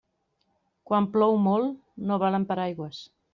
Quan plou molt, no valen paraigües.